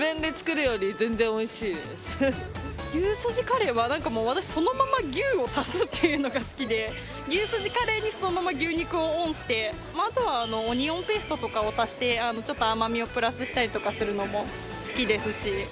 牛すじカレーはなんかもう私そのまま牛を足すっていうのが好きで牛すじカレーにそのまま牛肉をオンしてあとはオニオンペーストとかを足してちょっと甘みをプラスしたりとかするのも好きですし。